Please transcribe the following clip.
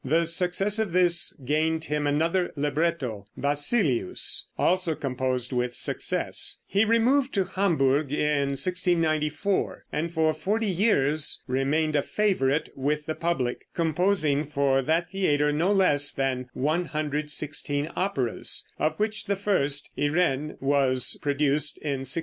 The success of this gained him another libretto, "Basilius," also composed with success. He removed to Hamburg in 1694, and for forty years remained a favorite with the public, composing for that theater no less than 116 operas, of which the first, "Irene," was produced in 1697.